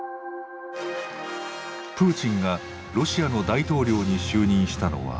プーチンがロシアの大統領に就任したのは２０００年。